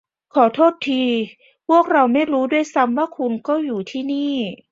ขอโทษที พวกเราไม่รู้ด้วยซ้ำว่าคุณก็อยู่ที่นี่